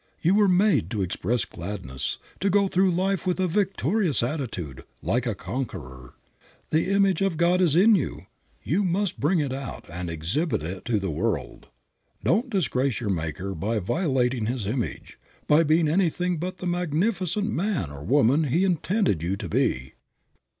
You were made to express gladness, to go through life with a victorious attitude, like a conqueror. The image of God is in you; you must bring it out and exhibit it to the world. Don't disgrace your Maker by violating His image, by being anything but the magnificent man or woman He intended you to be."